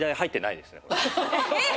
えっ！